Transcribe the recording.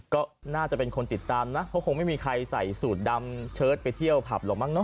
ก็น่าจะเป็นคนติดตามนะเพราะคงไม่มีใครใส่สูตรดำเชิดไปเที่ยวผับหรอกมั้